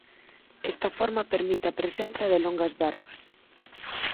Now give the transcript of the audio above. Esta forma permite a presenza de longas barbas.